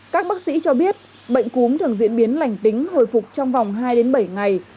các bác sĩ cho biết bệnh cúm thường diễn biến lành tính hồi phục trong vòng hai bảy ngày